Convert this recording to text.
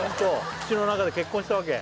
口の中で結婚したわけ？